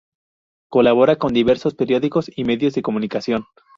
Colabora con diversos periódicos y medios de comunicación.